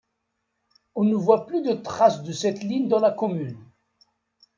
On ne voit plus de traces de cette ligne dans la commune.